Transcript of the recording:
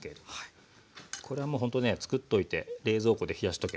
これはもうほんとねつくっといて冷蔵庫で冷やしとけばね